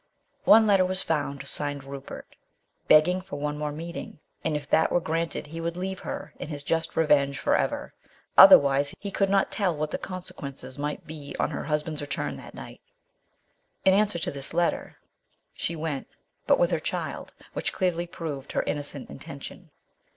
One letter was found, signed "Rupert/' begging for one more meeting, and if that were granted he would leave her and his just revenge for ever ; otherwise, he could not tell what the consequences might be on her husband's return that night. In answer to this letter she went, but with her child, which clearly proved her innocent intention.